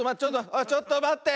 おいちょっとまって！